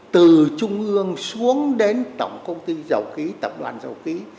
từ trung ương xuống đến tổng công ty giàu ký tập đoàn giàu ký